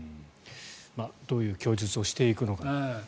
どういう供述をしていくのか。